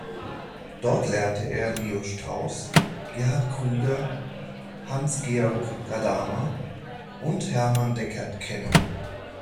Dort lernte er Leo Strauss, Gerhard Krüger, Hans-Georg Gadamer und Hermann Deckert kennen.